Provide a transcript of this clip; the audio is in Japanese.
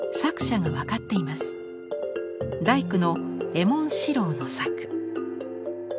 大工の右衛門四良の作。